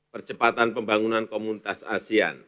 percepatan pembangunan komunitas asean